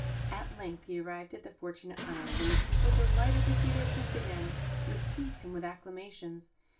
At length he arrived at the Fortunate Isles, and the people, delighted to see their Prince again, received him with acclamations.